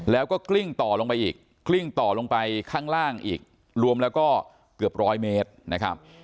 แล้วก็กลิ้งต่อลงไปอีกกลิ้งต่อลงไปข้างล่างอีกรวมแล้วก็เกือบร้อยเมตรนะครับ